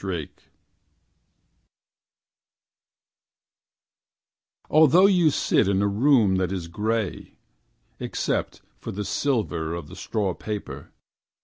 pdf Although you sit in a room that is gray. Except for the silver Of the straw paper.